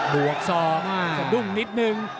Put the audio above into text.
บวกบวกสอบสะดุ้งนิดนึง